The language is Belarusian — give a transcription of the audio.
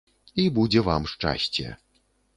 І будзе вам шчасце!